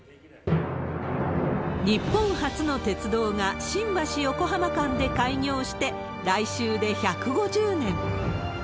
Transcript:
日本初の鉄道が、新橋・横浜間で開業して、来週で１５０年。